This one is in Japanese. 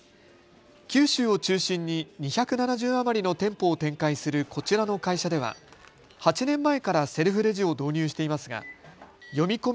九州を中心に２７０余りの店舗を展開するこちらの会社では８年前からセルフレジを導入していますが読み込み